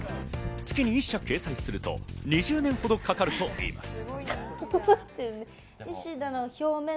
月に１社掲載すると、２０年ほどかかるといいます。